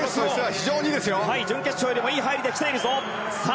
準決勝よりもいい入りできている。